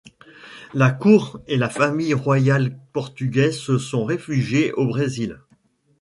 La cour et la famille royale portugaise se sont réfugiées au Brésil.